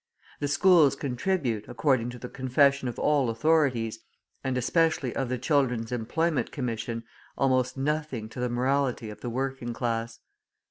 The schools contribute, according to the confession of all authorities, and especially of the Children's Employment Commission, almost nothing to the morality of the working class.